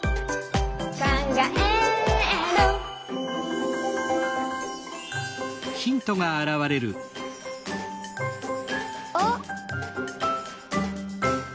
「かんがえる」あっ！